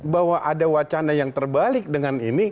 bahwa ada wacana yang terbalik dengan ini